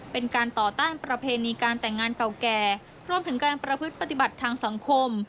เป็นการต่อต้านประเพณีการแต่งงานเก่าแก่รวมถึงการประพฤติปฏิบัติทางสังคม